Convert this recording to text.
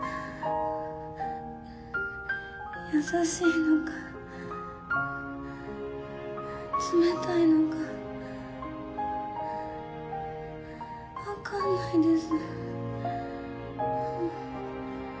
優しいのか冷たいのか分かんないです。